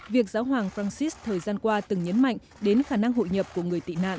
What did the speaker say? việc giáo hoàng francis thời gian qua từng nhấn mạnh đến khả năng hội nhập của người tị nạn